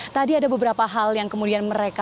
tadi ada beberapa hal yang kemudian mereka